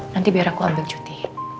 nanti biar aku ambil cuti